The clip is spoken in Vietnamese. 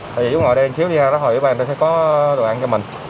bây giờ chú ngồi đây một chút đi ha hỏi với bạn ta sẽ có đồ ăn cho mình